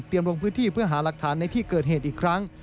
ลงพื้นที่เพื่อหาหลักฐานในที่เกิดเหตุอีกครั้ง